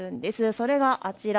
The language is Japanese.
それがあちら。